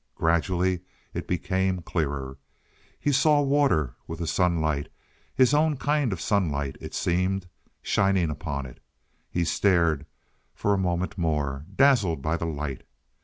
Gradually it became clearer. He saw water, with the sunlight his own kind of sunlight it seemed shining upon it. He stared for a moment more, dazzled by the light.